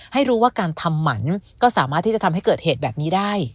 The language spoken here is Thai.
ให้รู้ว่าการทำหมันก็สามารถที่จะทำให้เกิดเหตุแบบนี้ได้